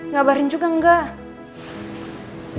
gabarin juga enggak